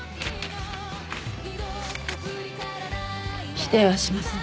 否定はしません。